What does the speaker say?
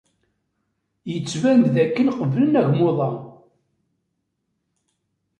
Yettban-d dakken qeblen agmuḍ-a.